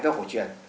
với hội truyền